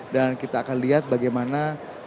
dan kita akan lihat bagaimana